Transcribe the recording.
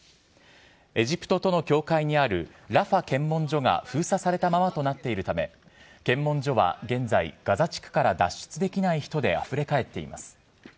エジプトとの境界にあるラファ検問所が封鎖されたままとなっているため、検問所は現在、ガザ地区から脱出できない人であふれ返っています。